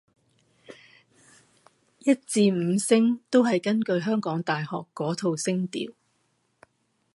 一至五聲都係根據香港大學嗰套聲調